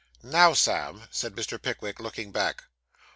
'Now, Sam!' said Mr. Pickwick, looking back.